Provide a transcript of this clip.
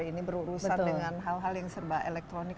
ini berurusan dengan hal hal yang serba elektronik